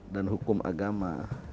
dan hukum agama